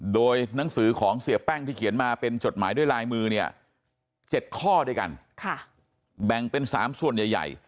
โดยหนังสือของเสียแป้งที่เขียนมาเป็นจดหมายด้วยลายมือเนี่ย๗ข้อด้วยกันแบ่งเป็น๓ส่วนใหญ่